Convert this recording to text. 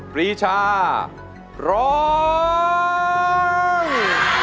ปรีชาร้อง